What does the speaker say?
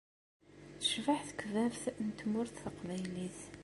Tecbeḥ tekbabt n Tmurt taqbaylit.